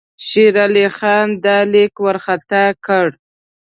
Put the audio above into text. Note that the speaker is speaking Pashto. شېر علي خان دا لیک وارخطا کړ.